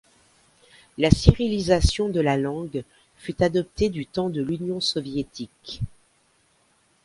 La cyrillisation de la langue fut adoptée du temps de l'Union soviétique.